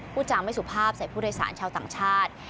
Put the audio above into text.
จำไม่สุภาพใส่ผู้โดยสารชาวต่างชาติ